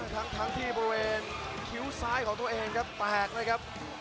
ทั้งที่บริเวณคิ้วซ้ายของตัวเองครับแตกนะครับ